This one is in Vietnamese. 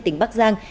tỉnh bắc giang